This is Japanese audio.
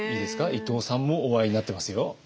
伊藤さんもお会いになってますよ。